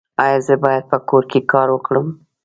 ایا زه باید په کور کې کار وکړم؟